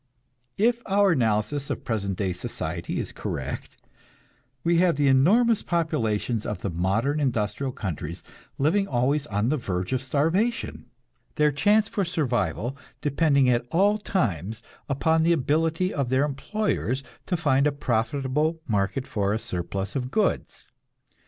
If our analysis of present day society is correct, we have the enormous populations of the modern industrial countries, living always on the verge of starvation, their chance for survival depending at all times upon the ability of their employers to find a profitable market for a surplus of goods.